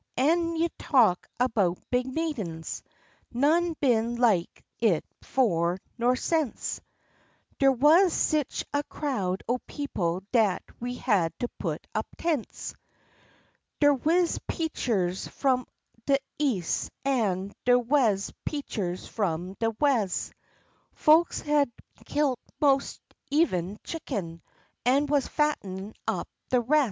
An' you talk about big meetin's! None been like it 'fore nor sence; Der wuz sich a crowd o' people dat we had to put up tents. Der wuz preachers f'om de Eas', an' 'der wuz preachers f'om de Wes'; Folks had kilt mos' eveh chicken, an' wuz fattenin' up de res'.